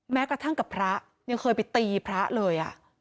แม้กระทั่งกับพระยังเคยไปตีพระเลย